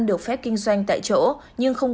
được phép kinh doanh tại chỗ nhưng không